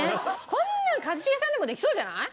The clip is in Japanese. こんなの一茂さんでもできそうじゃない？